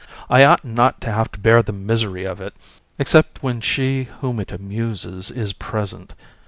I ought not to have to bear the misery of it, except when she whom it amuses is present.